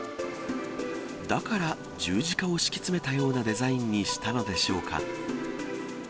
だから、十字架を敷き詰めたようなデザインにしたのでしょうか。